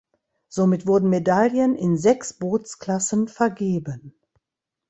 Somit wurden Medaillen in sechs Bootsklassen vergeben.